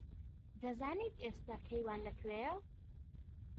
دەزانیت ئێستا کەیوان لەکوێیە؟